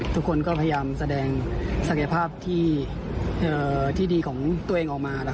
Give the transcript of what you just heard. ทุกคนก็พยายามแสดงศักยภาพที่ดีของตัวเองออกมา